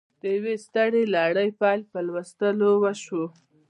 د یوې سترې لړۍ پیل په لوستلو وشو